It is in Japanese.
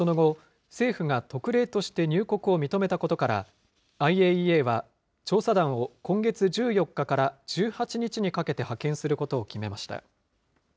その後、政府が特例として入国を認めたことから、ＩＡＥＡは、調査団を今月１４日から１８日にかけて派遣することを決めました。